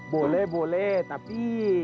boleh boleh tapi